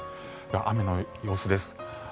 雨の様子です。